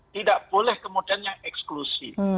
tidak boleh kemudian yang eksklusif